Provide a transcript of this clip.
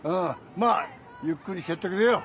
まぁゆっくりしてってくれよ！